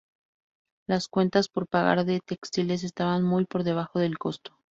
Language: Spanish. Las cuentas por pagar de textiles estaban muy por debajo del costo.